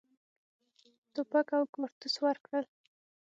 توپک او کارتوس ورکړل.